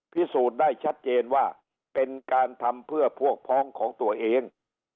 พิสูจน์ได้ชัดเจนว่าเป็นการทำเพื่อพวกพ้องของตัวเอง